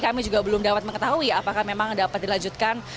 kami juga belum dapat mengetahui apakah memang dapat dilanjutkan